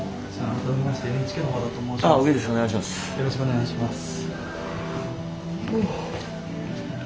よろしくお願いします。